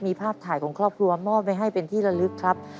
มีภาพถ่ายของครอบครัวมอบไว้ให้เป็นที่ละลึกครับ